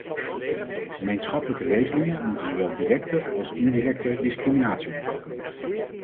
Gemeenschappelijke regelingen moet zowel directe als indirecte discriminatie omvatten.